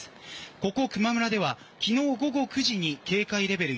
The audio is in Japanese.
ここ、球磨村では昨日午後９時に警戒レベル